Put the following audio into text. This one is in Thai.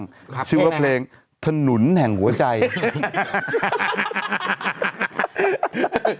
น้ำชาชีวนัทครับผมโพสต์ขอโทษทำเข้าใจผิดหวังคำเวพรเป็นจริงนะครับ